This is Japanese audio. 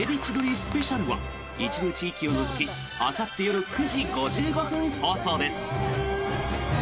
スペシャルは一部地域を除きあさって夜９時５５分放送です。